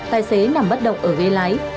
tài xế nằm bất động ở ghế lái